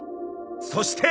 そして。